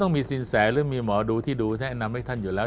มีสินแสหรือมีหมอดูแนะนำของท่านอยู่แล้ว